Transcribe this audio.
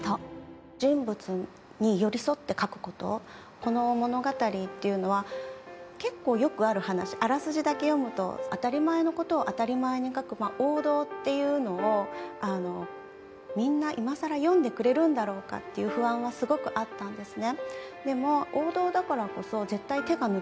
この物語というのは結構よくある話、あらすじだけ読むと、当たり前のことを当たり前に書く王道っていうのをみんな今さら読んでくれるんだろうかという不安がすごくあったんですね。